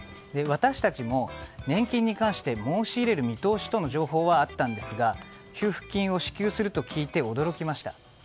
私たちも年金に関して申し入れる見通しとの情報はあったんですが給付金を支給すると聞いて驚きました。